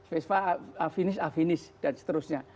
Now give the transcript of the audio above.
vespa afinish afinis dan seterusnya